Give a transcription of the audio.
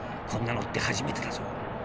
こんなのって初めてだぞ。